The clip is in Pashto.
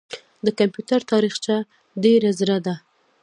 د کمپیوټر تاریخچه ډېره زړه ده.